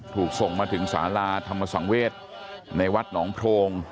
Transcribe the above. ถูกส่งมาถึงสาราธรรมสังเวศในวัดหนองโพรง